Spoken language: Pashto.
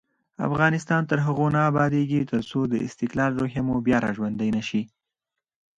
افغانستان تر هغو نه ابادیږي، ترڅو د استقلال روحیه مو بیا راژوندۍ نشي.